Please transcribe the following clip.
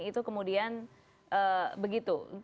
itu kemudian begitu